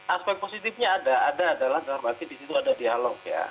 aspek positifnya ada ada adalah dalam arti di situ ada dialog ya